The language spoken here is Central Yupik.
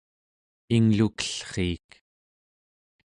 inglukellriik